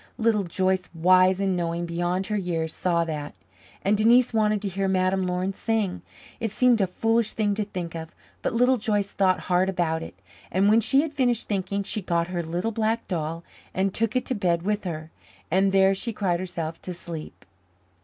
Little Joyce, wise and knowing beyond her years, saw that. And Denise wanted to hear Madame Laurin sing. It seemed a foolish thing to think of, but Little Joyce thought hard about it; and when she had finished thinking, she got her little black doll and took it to bed with her, and there she cried herself to sleep.